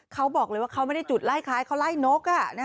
เขาบอกเลยว่าเขาไม่ได้จุดไล่คล้ายเขาไล่นก